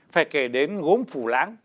phải kể đến gốm phủ lãng